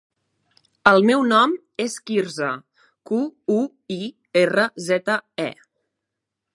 El meu nom és Quirze: cu, u, i, erra, zeta, e.